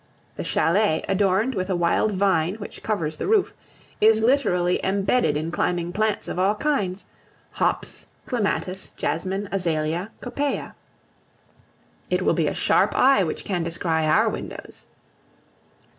The chalet, adorned with a wild vine which covers the roof, is literally embedded in climbing plants of all kinds hops, clematis, jasmine, azalea, copaea. It will be a sharp eye which can descry our windows!